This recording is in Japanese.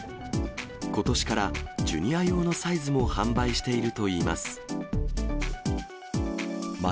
ことしから、ジュニア用のサイズも販売しているといいます。